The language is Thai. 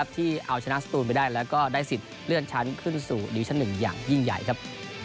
ที่เอาชนะสตูนไปได้แล้วก็ได้สิทธิ์เลื่อนชั้นขึ้นสู่ดิวิชั่น๑อย่างยิ่งใหญ่ครับ